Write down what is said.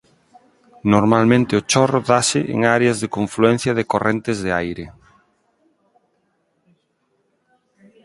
Normalmente o chorro dáse en áreas de confluencia de correntes de aire.